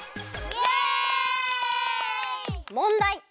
もんだい。